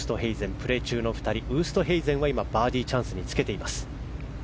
プレー中の２人ウーストヘイゼンは今バーディーチャンスにつけています。